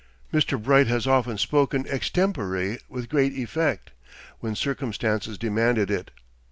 Mr. Bright has often spoken extempore with great effect, when circumstances demanded it.